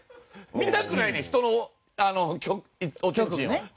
見たくないねん人のおちんちんを。